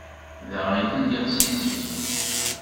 Da i lliɣ si zik.